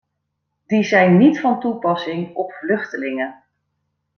Die zijn niet van toepassing op vluchtelingen.